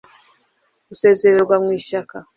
Gusezererwa mu Ishyaka